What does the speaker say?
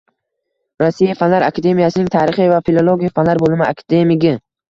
Rossiya Fanlar Akademiyasining tarixiy va filologiya fanlar bo‘limi akademigi